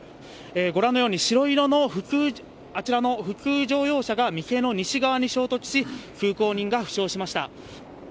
ご覧のように白色のあちらの普通乗用車が店の西側に衝突し、通行人が負傷しました。